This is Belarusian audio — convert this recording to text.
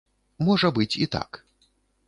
Можа быць і так.